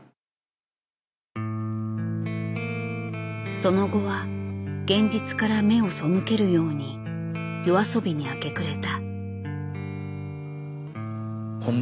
その後は現実から目を背けるように夜遊びに明け暮れた。